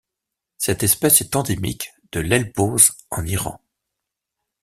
Cette espèce est endémique de l'Elbourz en Iran.